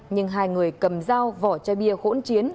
nhưng hai người cầm dao vỏ chai bia hỗn chiến